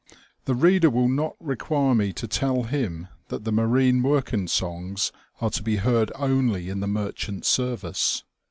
The reader will not require me to tell him that the marine working songs 228 THE OLD NAVAL SEA SONQ. are to be heard only in the Merchant Service.